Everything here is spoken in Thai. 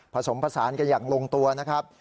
ผสมผสานกันอย่างลงตัวนะครับ